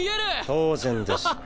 当然です。